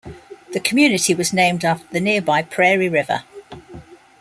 The community was named after the nearby Prairie River.